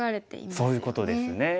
そういうことですよね。